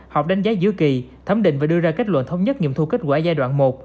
họp đánh giá giữa kỳ thẩm định và đưa ra kết luận thống nhất nghiệm thu kết quả giai đoạn một